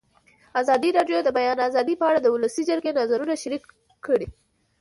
ازادي راډیو د د بیان آزادي په اړه د ولسي جرګې نظرونه شریک کړي.